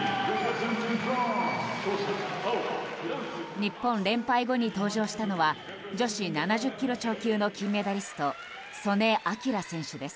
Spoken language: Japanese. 日本連敗後に登場したのは女子７０ｋｇ超級の金メダリスト素根輝選手です。